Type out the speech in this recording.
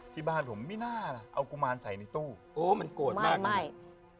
ที่บ้านผมไม่น่าล่ะเอากุมารใส่ในตู้โอ้มันโกรธมากเลย